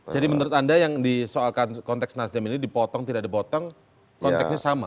jadi menurut anda yang disoalkan konteks nasjidah milik dipotong tidak dipotong konteksnya sama